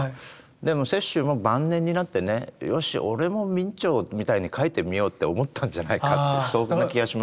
でも雪舟も晩年になってね「よし俺も明兆みたいに描いてみよう」って思ったんじゃないかってそんな気がします。